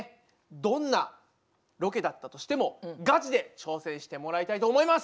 どんなロケだったとしてもガチで挑戦してもらいたいと思います！